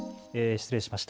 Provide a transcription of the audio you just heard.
失礼しました。